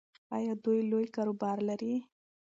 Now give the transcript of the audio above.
ایا دوی لوی کاروبار لري؟